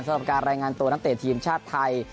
สำหรับการรายงานตัวนักเตะทีมชาติไทย